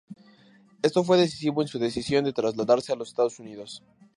Esto fue decisivo en su decisión de trasladarse a los Estados Unidos.